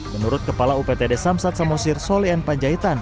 menurut kepala uptd samsat samosir solen panjaitan